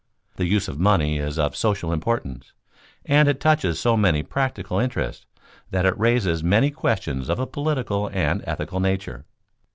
The use of money is of such social importance, and it touches so many practical interests, that it raises many questions of a political and ethical nature.